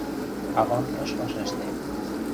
Авам ыш вашеште.